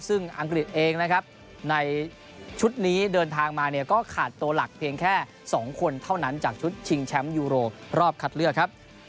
ซึ่งอังกฤษเองนะครับในชุดนี้เดินทางมาเนี่ยก็ขาดตัวหลักเพียงแค่๒คนเท่านั้นจากชุดชิงแชมป์ยูโรรอบคัดเลือกครับ